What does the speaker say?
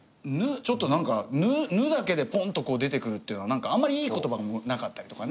ちょっとなんか「ぬ」だけでポンとこう出てくるっていうのはなんかあんまりいい言葉がなかったりとかね。